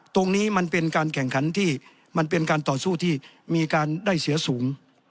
ตรงนี้มันเป็นการแข่งขันที่มันเป็นการต่อสู้ที่มีการได้เสียสูง